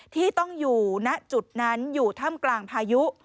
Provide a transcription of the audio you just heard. ที่ต้องอยู่ณจุดนั้นอยู่ถ้ำกลางพายุ